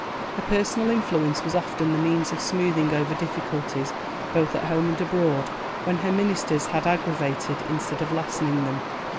Her personal influence was often the means of smoothing over difficulties both at home and abroad when her Ministers had aggravated instead of lessening them.